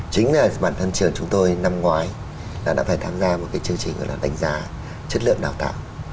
chính bản thân trường chúng tôi năm ngoái đã phải tham gia một cái chương trình là đánh giá chất lượng đào tạo